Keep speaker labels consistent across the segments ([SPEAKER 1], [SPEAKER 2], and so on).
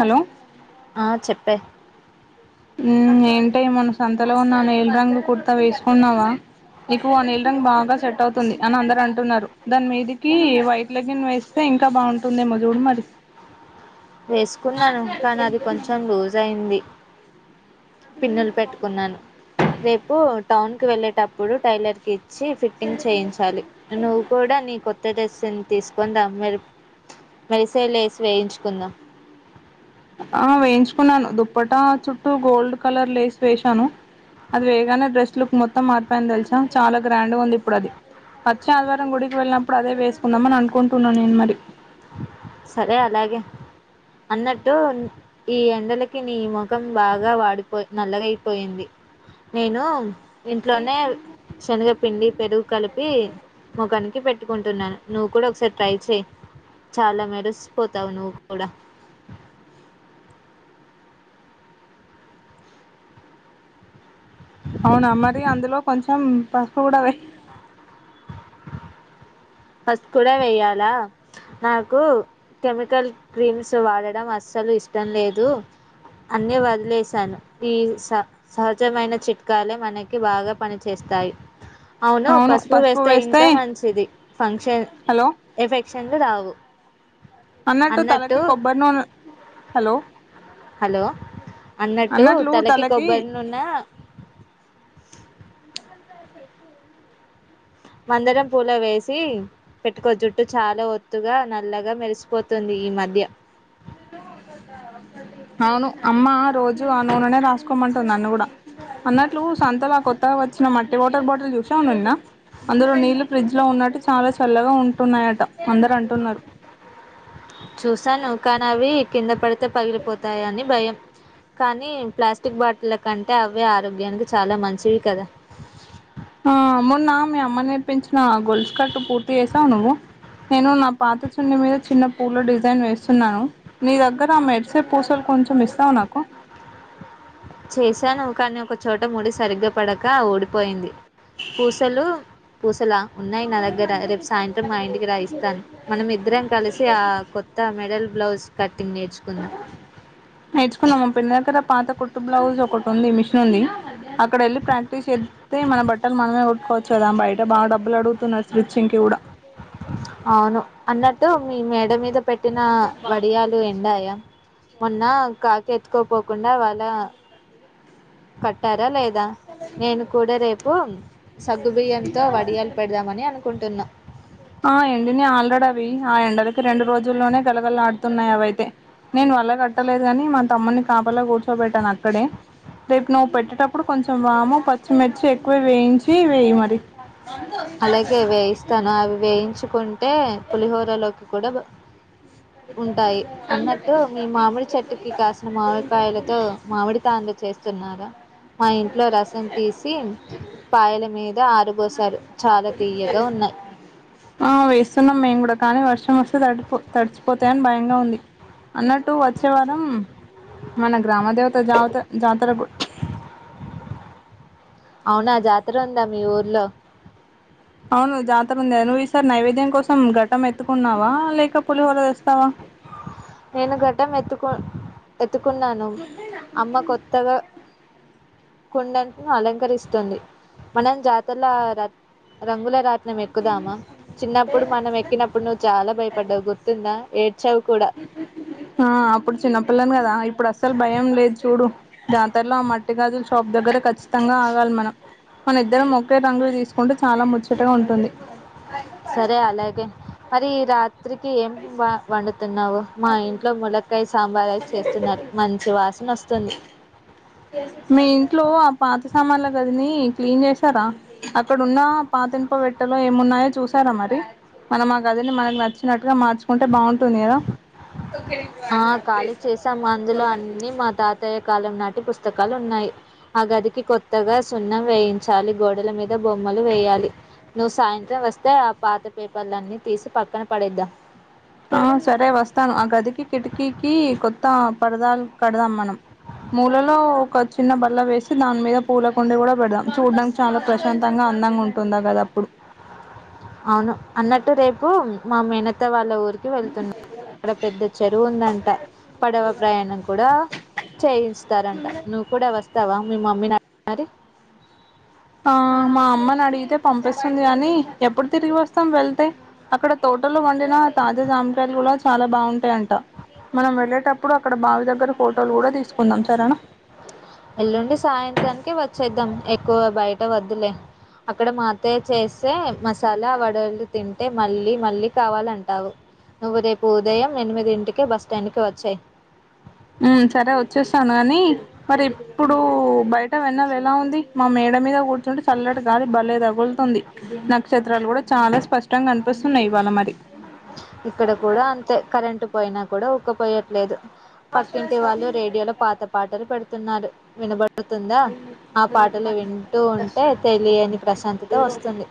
[SPEAKER 1] Hello
[SPEAKER 2] ఆహ్ చెప్పే.
[SPEAKER 1] ఉమ్ ఏంటే మొన్న సంతలో కోన్న ఆ నిల్ రంగు కుర్తా వేసుకున్నావా. నీకు ఆహ్ నిల్ రంగు బాగా సెట్ అవుతుంది అని అందరు అంటున్నారు దాని మీదకి వైట్ లెగ్గిన్ వేస్తే ఇంకా బాగుంటుందేమో చూడు మరి.
[SPEAKER 2] వేసుకున్నను కానీ అది కొంచెం లూస్ అయింది. పిన్నులు పెట్టుకున్నాను రేపు. నువ్వు టౌన్ కు వెళ్ళేటప్పుడు టైలర్ కి. వచ్చి ఫిట్టింగ్ చేయించాలి. నువ్వు కూడా నీ కొత్త కొత్త డ్రెస్ ను తీసుకోని రా మెరుపు వై సే లెస్ వేయించుకుందాం.
[SPEAKER 1] ఆహ్ వేయించుకున్నాను దుప్పెట చుట్టూ గోల్డ్ కలర్ లేస్ వేశాను అది వెయ్యగానే డ్రెస్ లుక్ మొత్తం మారిపోయింది. తెలుసా చాలా గ్రాండ్ గా ఉంది. ఇప్పుడది వచ్చే ఆదివారం గుడికి వెళ్ళినప్పుడు అదే వేసుకుందామని అనుకుంటున్నా మరి.
[SPEAKER 2] సరే అలాగే అన్నట్టు ఈ ఎండలకి నీ ముఖం బాగా వాడి నల్లగా అయిపోయింది నేను. ఇంట్లోనే శనగపిండి. పెరుగు కలిపి మొకానికి పెట్టుకుంటున్నాను నువ్వు కూడా ఒకసారి ట్రై చెయ్ చాలా మెరిసి. లెస్పోతావు నువ్వు కూడా
[SPEAKER 1] అవున మరి అందులో కొంచెం పసుపు కూడ వెయ్
[SPEAKER 2] పస్ కూడా వెేయాలా నాకు కెమికల్ క్రీమ్స్ వాడడం అస్సలు ఇష్టం లేదు అన్ని వదిలేసాను ఈ స సహజమైన చిట్కాలే మనకి బాగ పని చేేస్తాయి అవును పసుపు వేసై ఇంకా మంచిది ఫంక్షన్
[SPEAKER 1] హలో
[SPEAKER 2] ఎఫెక్ట్ చండు రావు
[SPEAKER 1] అన్నట్టు తలకి కొబ్బరి నూనె హలో
[SPEAKER 2] హలో అన్నట్టు తలకి కొబ్బరి నూన మందరం పూలు వేసి పెట్టుకో జుట్టు చాలా ఒత్తుగా నల్లగా మెరిసిపోతుంది ఈ మధ్య
[SPEAKER 1] అవును అమ్మా రోజు ఆ నూనెనే రాసుకోమంటుంది నన్ను కూడా అన్నట్లు సంతలో కొత్తగా వచ్చిన మట్టి వాటర్ బాటిల్ చూసావును నిన్న అందులొ నీళ్లు ఫ్రిడ్జ్ లో ఉన్నట్టు చాలా చల్లగా ఉంటున్నాయట అందరు అంటున్నారు
[SPEAKER 2] చూశాను కాని అవి కింద పడిత్ ఉత్త పగిలిపోతాయని భయం కాని ప్లాస్టిక్ బాటిల్ కంటే అవే ఆరోగ్యానికి చాలా మంచివి కదా
[SPEAKER 1] ఆ మొన్న మీ అమ్మ నేర్పించిన ఆ గొల్స్కట్ పూర్తి చేసాను నేను నా పాత చున్ని మీద చిన్న పూల డిజైన్ వేస్తున్నాను మీ దగ్గర మోడ్స్ పూసలు కొంచం ఇస్తావనాకు
[SPEAKER 2] చేశాను కానీ ఒక చోట ముడి సరిగ్గా పడక ఓడిపోయింది పూసలు పూసలా ఉన్నాయి నా దగ్గర రేపు సాయంత్రం మా ఇంటికి రాయిస్తాను మనం ఇద్దరం కలిసి ఆ కొత్త మెడల్ బ్లౌజ్ కట్
[SPEAKER 1] నేర్చుకున్నా మాపిన్న ఏకడ పాత కుట్టు బ్లౌజ్ ఒకటి ఉంది మిషన్ ఉంది అక్కడ వెళ్ళి ప్రాక్టీస్ చేస్తే మన బట్టలు మనమే కొట్టుకోవచ్చు కదా బయట బాగా డబ్బులు అడుగుతున్నారు స్విచ్చింగ్ కి కూడా
[SPEAKER 2] అవును అన్నట్టు మీ మేడ మీద పెట్టిన వడియాలు ఎండయా మొన్న కాకెత్కోపోకుండా వాళ్ళ కట్టార లేద ద నేను కూడా రేపు బో సగ్గుబియ్యంతో వడియాలు పెడదామని అనుకుంటున్నాం
[SPEAKER 1] ఆ ఎండిని ఆల్రెడ అవి ఆ ఎండలకి రెండు రోజుల్లోనే గలగళ ఆడుతున్నాయి అవయితే నేను వల్ల కట్టలేదు గాని మా తమ్ముని కాపలా కూర్చోబెట్టాను అక్కడే రేపు నువ్వు పెట్టేటప్పుడు కొంచెం వాాము పచ్చిమిర్చి ఎక్కువే వేయించి వేయి మరి
[SPEAKER 2] అలగే వేయిస్తాను అవి వేయి ఉంచుకొం తీ పులిహోరలోకి గొడవ ఉంటాయి అన్నట్టు మీ మామిడి చెట్టుకి కాసిన మామిడికాయలతో మామిడి తాండ చేస్త స్తున్నారా మా ఇంట్లో రసం తీసి పాయల మీద ఆరపోసారు
[SPEAKER 1] ఆ వేస్తున్నాం మేము కూడా కానీ వర్ష్ షం వస్తే తడిపో తడిచిపోతాయని భయంగా ఉంది అన్నట్టు వచ్చే వారం మన గ్రామ దేవత జాత జాతర గు
[SPEAKER 2] అవునా జాతర ఉందా మీ ఊర్లో
[SPEAKER 1] అవును జాతర ఉంది నువ్వు ఈసారి నైవేద్యం కోసం ఘట్టం ఎత్తుకున్నావా లేక పులిహోర తేస్
[SPEAKER 2] నేను ఘట్టం ఎత్తుకోన్ ఎత్తుకున్నాను అమ్మ కొత్తగా కుండను అలంకరిస్తుంది మనం జాతల రంగుల రా నం ఎక్కుదామా చిన్నప్పుడు మనం ఎక్కినప్పుడు నువ్వు చాలా భయపడ్డావు గుర్తుందా ఏడ్చావ్ కూడా
[SPEAKER 1] ఆ అప్పుడు చిన్నపిల్లని కదా ఇప్పుడు అస్సలు భయం లేదు చూడు జాతరలో ఆ మట్టి గాజులు షాప్ దగ్గరే ఖచ్చితంగా ఆగాలి మనం మన ఇద్దరం ఒకే రంగులు తీసుకుంటే చాలా ముచ్చ టగా ఉంటుంది
[SPEAKER 2] సరే అలాగే మరి రాత్ రాత్రికి ఏం వ వండుతున్నావు మా ఇంట్లో ములక్కాయ్ సాంబారవి చేస్తున్నారు మంచి వాసన వస్తుంది
[SPEAKER 1] మీ ఇంట్లో ఆ పాత సామాన్ల గదిని క్లీన్ చేసారా అక్కడున్న పాతిన్ప పెట్టలో ఏమున్నాయో చూసారా మరి, మనం ఆ గదిని మనకు నచ్చినట్టు గా మార్చుకుంటే బాగుంటుంది కదా
[SPEAKER 2] ఆ ఖాళీ చేసాం అందులో అన్నీ మా తాతయ్య కాలం నాటి పుస్తకాలు ఉన్నాయి, ఆ గదికి కొత్తగా సున్నం వేయించాలి గోడల మీద బొమ్మలు వేయాలి నువ్వు సాయంత్రం వస్తే ఆ పాత పేపర్లన్నీ తీసి పక్కన పడేద్దాం
[SPEAKER 1] ఆ సరే వస్తాను ఆ గదికి కిటికీకి కొత్త పరదాలు కడదాం మనం మూలలో ఒక చిన్న బల్ల వేసి దాని మీద పూలకుండి కూడా పెడదాం చూడడానికి చాలా ప్రశాంతంగా అందంగా ఉంటుంది ఆగదప్పుడు
[SPEAKER 2] అవును అన్నట్టు రేపు మా మేనత్త వాళ్ వాళ్ళ ఊరికి వెళ్తున్నాం అక్కడ పెద్ద చెరువు ఉందంట పడవ ప్రయాణం కూడా చేయిస్తారంట నువ్వు కూడా వస్త్ వస్తావా మీ మమ్మీ నడిగి మరి
[SPEAKER 1] ఆ మా అమ్మని అడిగితే పంపిస్తుంది కానీ ఎప్పుడు తిరిగి వస్తాం వెళ్తే అక్కడ తోటలో పండిన తాజా జామకాయలు కూడా చాలా బాగుంటాయంట మనం వెళ్ళేటప్పుడు అక్కడ బావి దగ్గర ఫోటోలు కూడా తీసుకుందాం సరేనా
[SPEAKER 2] ఎల్లుండి సాయంత్రానికి వచ్చేద్దాం ఎక్కువ బయట వద్దులే అక్కడ మా అత్తయ్య చేసి మసాలా వడలు తిం తింటే మళ్ళీ మళ్ళీ కావాలంటావు నువ్వు రేపు ఉదయం ఎనిమిదింటికే బస్స్టాండ్ కి వచ్చేయ్
[SPEAKER 1] ఉ సరే వచ్చేస్తాను గాని మరి ఇప్పుడు బయట వెన్నెల ఎలా ఉంది మా మేడ మీద కూర్చుంటే చల్లటి గాలి భలే తగులుతుంది నక్షత్రాలు కూడా చాలా స్పష్టంగా కనిపిస్తున్నాయి ఇవాళ మరి
[SPEAKER 2] ఇక్కడ కూడా అంతే కరెంట్ పోయినా కూడా ఊక్కపోయట్లేదు పక్కింటి వాళ్ళు రేడియోలో పాత పాటలు పెడు తున్నారు వినబడ్ ఉంటే తెలియని ప్రశాంతత వస్తుంది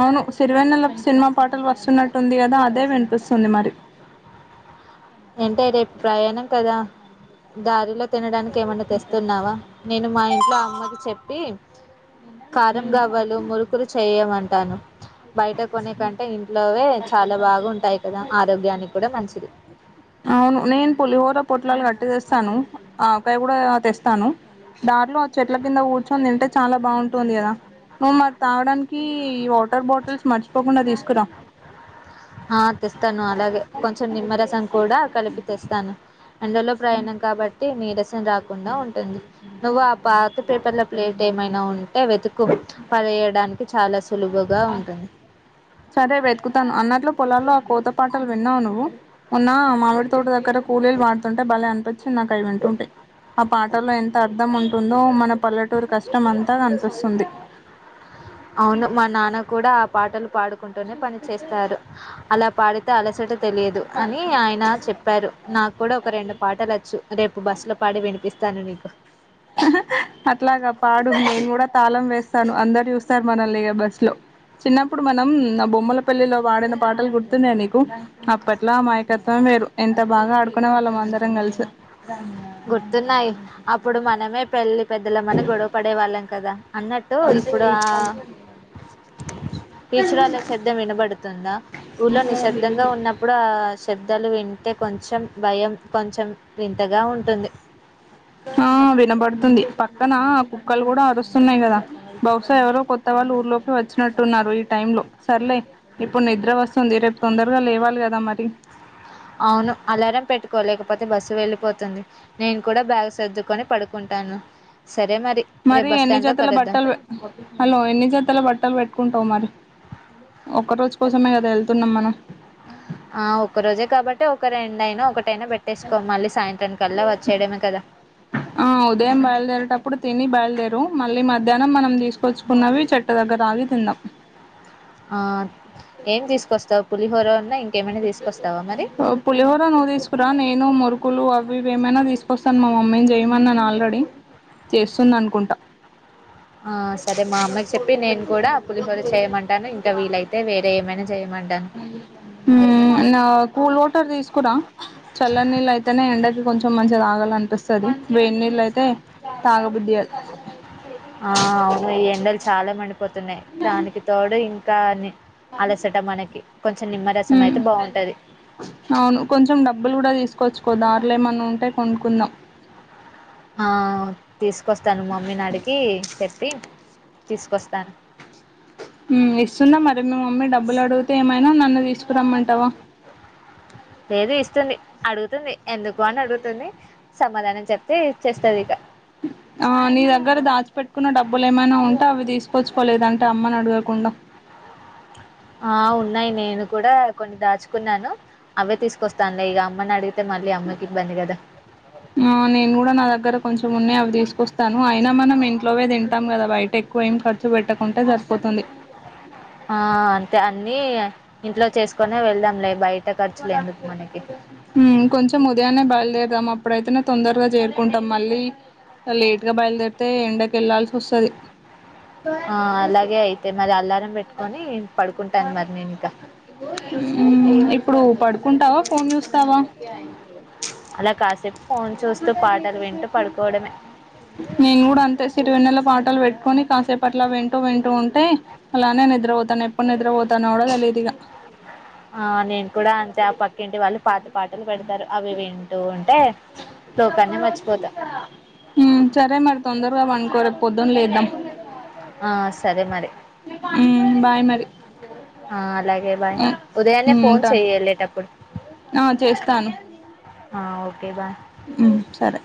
[SPEAKER 1] అవును సిరివెన్నెల సినిమా పాటలు వస్తున్నట్ టుంది కదా అదే వినిపిస్తుంది మరి
[SPEAKER 2] ఏంటే రేపు ప్రయాణం కదా దారిలో తినడానికి ఏమన్నా తెస్తున్నావా నేను మా ఇంట్లో అవి చెప్పి కారం గవ్వలు మురుకులు చెయ్యవన్ తాను బయట కొనే కంటే ఇంట్లోవే చాలా బాగా ఉంటాయి కదా ఆరోగ్యానికి కూడా మంచిది
[SPEAKER 1] అవును నేన్ పులిహోర పోట్ల కట్టి తెస్తాను ఆవకాయ కూడా తెస్తాను దార్లో ఆ చెట్ల కింద కూర్చొని తింటే చాల బాగుంటుంది కదా నువ్వు మరి తాగడానికి వాటర్ బాటిల్స్ మర్చిపోకుండా తీసుకురా
[SPEAKER 2] ఆ తెస్తాను అలాగే కొంచెం నిమ్మరసం కూడా కలిపి తెస్తాను ఎండల్లో ప్రయాణం కాబట్టి నీరసం రాకుండా ఉంటుంది నువ్వు ఆ పాత పేపర్ల ప్లేట్ ఏమైనా ఉంటే వెతుకు పడేయడానికి చాలా సులువుగా ఉంటుంది
[SPEAKER 1] సరే వెతుకుతాను అన్నట్లు పొలాల్లో ఆ కోత పాటలు విన్నావా నువ్వు మొన్నా.. మామిడి తోట దగ్గర కూలీలు వాటి టే భలే అనిపించి నాకు అవి వింటుంటె ఆ పాటల్లో ఎ అర్థం ఉంటుందో మన పల్లెటూరు కష్టం అంతా ఆనిపిస్తుంది
[SPEAKER 2] అవును మా నాన్న కూడా ఆ పాటలు పాడు అంటూనే పని చేస్తారు అలా పాడు అ అలసట తెలియదు అని ఆయన చెప్పారు నాకు కూడా ఒక రెండు పాటలచ్చు రేపు బస్సులో పాడి వినిపిస్తాను నీకు
[SPEAKER 1] అట్లాగా పాడు నేను కూడా తాళం వేస్తాను అందరు చూస్తారు మనల్ని లేగ బస్సు లో చిన్నప్పుడు మనం బొమ్మల పెల్లిలో పాడిన పాటలు గుర్తున్నా నీకు అప్పట్లా అమాయకత్వం వేరు ఎంత బాగా ఆడుకునే వాళ్ళం అందరం కలిసి
[SPEAKER 2] గుర్తున్నాయి అప్ ప్పుడు మనమే పెళ్లి పెద్ద అందుల మని గొడవ పడే వాళ్ళం కదా అన్నట్టు ఇప్పుడు ఆ టీచుర్ళ్ శబ్దం వినబడుతుందా ఊర్లో నిశ్శబ్దంగా ఉన్నప్పుడు ఆ శబ్ పెద్దలు వింటే కొంచెం భయం కొంచెం వింతగా ఉంటు ఉంటుంది
[SPEAKER 1] ఆ వినాపడు ది పక్కన కుక్కలు కూడా అరుస్తూ వస్తున్నాయి కదా బహుశా ఎవరో కొత్త వాళ్ళు ఊర్లోకి వచ్చినట్టున్నారు ఈ టైమ్ లో సర్లే ఇప్పుడు నిద్ర వస్తుంది రేపు తొందరగా లేవాలి కదా మరి
[SPEAKER 2] అవును అలారం పెట్టుకో లేకపోతే బస్సు వెళ్ళిపోతుంది నేను కూడా బ్యాగ్ సర్దుకొని పడుకుంటాను సరే రేపు
[SPEAKER 1] మరి
[SPEAKER 2] బస్
[SPEAKER 1] ఎన్ని
[SPEAKER 2] స్టాండ్ లో
[SPEAKER 1] చేతల
[SPEAKER 2] కలుద్దాం
[SPEAKER 1] బట్టలు హలో ఎన్ని చేతల బట్టలు పెట్టుకుంటావు మరి ఒక్క రోజు కోసమే కదా వెళ్తున్నాం మనం
[SPEAKER 2] ఆ ఒక్క రోజే కాబట్టి ఒక రెండు అయినా ఒక టనా పెట్టేసుకో మళ్ళీ సాయంత్రాం కల్లా వచ్చేయడమే కదా
[SPEAKER 1] ఆ రూ మళ్ళీ మధ్యాహ్నం మనం తీసుకొచ్చుకున్నవి చెట్టు దగ్గర ఆగి తిందాం
[SPEAKER 2] ఆ ఏం తీసుకొస్తావు పులిహోర ఉన్న ఆ ఇంకేం
[SPEAKER 1] పులిహోర నువ్వు తీసుకురా, నేను ముర్ కులు అవి ఇవి ఏమైనా తీసుకొస్తాను మా మమ్మీని చేయమనాన్ను ఆల్రెడీ చేస్తుంది అనుకుంటా
[SPEAKER 2] ఆ సరే మా అమ్మకి చెప్పి నేను కూడా పులిహోర చేయమంటాను ఇంకా వీలైతే వేరే ఏమైనా చేయమంటాను
[SPEAKER 1] మ్మ్ నా కూల్ వాటర్ తీసుకురా చల్ల నీళ్ళు అయితేనే ఎండకి కొంచెం మంచిగా తాగాలనిపిస్తది వేడి నీళ్ళు అయితే తాగబుద్ది కాదు
[SPEAKER 2] ఆ అవును ఎండలు చాలా మండి పోతున్నాయి దానికి తోడు ఇ కాని
[SPEAKER 1] మ్మ్
[SPEAKER 2] అయితే బాగుంటది
[SPEAKER 1] అవును కొంచెం డబ్బులు కూడా తీసు కొచ్చుకో దార్లో ఏమన్నా ఉంటే కొనుక్కుందాం
[SPEAKER 2] ఆ తీసుకొస్తాను మమ్మీని అడిగి చెప్పి తీసుకొస్తాను
[SPEAKER 1] మ్మ్ ఇస్తుందా మరి మీ మమ్మీ డబ్బులు అడుగితే ఏమైనా నన్ను తీసుకురమ్మంటావా
[SPEAKER 2] లేదు ఇస్తుంది అడుగుతుంది ఎందుకు అని అడుగుతుంది సమాధానం చెప్త
[SPEAKER 1] ఆ నీ దగ్గర దాచిపెట్టుకున్న డబ్బులు ఏమైనా ఉంటే అవి తీసుకొచ్చుకోలేదంటే అమ్మని అడుగ కుండా
[SPEAKER 2] ఆ ఉన్నాయి నేను కూడా కొన్ని దాచుకున్నాను. అవే తీసుకొస్తా అండి ఇక అమ్మని అడిగి
[SPEAKER 1] ఆ నేను కూడా నా దగ్గర కొంచెం ఉన్నయ్ అవి తీసుకొస్ తాను అయినా మనం ఇంట్లోవే తింటాం కదా బయట ఎక్కువ ఏం ఖర్చు పెట్టకుంటే సరిపోతుంది
[SPEAKER 2] ఆ అంతే అన్నీ ఇంట్లో చేసుకొనే వెళ్దాంలే బయ ట ఖర్చులు ఎందుకు మనకి
[SPEAKER 1] మ్ కొంచెం ఉదయాన్నే బయలుదేరుదాం అప్పుడైతేనే తొందరగా చేరుకుంటాం. మళ్ళీ లేట్ గా బయలుదేరితే ఎండకి వళ్లాల్సి వస్తది
[SPEAKER 2] ఆ అలాగే అయితే మరి అలారం పెట్టుకొని పడుకుంటాను మరి నేను ఇక
[SPEAKER 1] ఇప్పుడు పడుకుంటావా ఫోన్ చూస్తావా
[SPEAKER 2] అలా కాసేపు ఫోన్ చూస్తూ పాటలు వింటూ పడుకోవడమే
[SPEAKER 1] నేను కూడా అంతే సిరివెన్నెల పాటలు వెట్టుకొని కాసేపు అట్లా వింటూ వింటూ ఉంటే అలానే నిద్ర పోతాను ఎప్ప నిద్రపోతానో కూడ తెలీదిగా
[SPEAKER 2] ఆ నేను కూడా అంతే ఆ పక్కింటి వాళ్ళు పాత పాటలు పెడతారు అవి వింటూ ఉంటే లోకాన్ని మర్చిపోతా
[SPEAKER 1] మ్మ్ సరే మరి తొందరగా పడ్ నేన్ కూడ పొద్దున్ లేద్దాం
[SPEAKER 2] ఆ సరే మరి
[SPEAKER 1] మ్మ్ బాయ్ మర్
[SPEAKER 2] ఆ అలాగే బాయ్ ఉదయాన్నే
[SPEAKER 1] ఉమ్
[SPEAKER 2] ఫోన్
[SPEAKER 1] ఉంటాను
[SPEAKER 2] చెయ్ ఎళ్లేేటప్పుడు.
[SPEAKER 1] ఆ చేస్తాను.
[SPEAKER 2] ఆ ఓకే బాయ్.
[SPEAKER 1] ఉమ్ సరే.